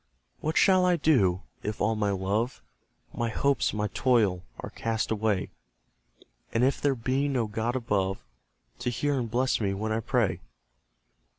What shall I do, if all my love, My hopes, my toil, are cast away, And if there be no God above, To hear and bless me when I pray?